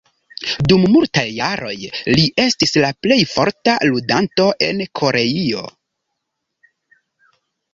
Dum multaj jaroj li estis la plej forta ludanto en Koreio.